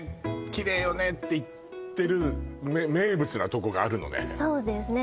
「きれいよね」って言ってる名物なとこがあるのね